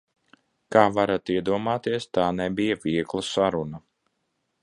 Kā varat iedomāties, tā nebija viegla saruna.